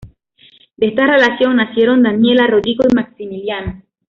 De esta relación nacieron Daniella, Rodrigo y Maximiliano.